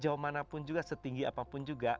jauh manapun juga setinggi apapun juga